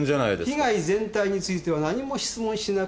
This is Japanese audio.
被害全体については何も質問しなかった。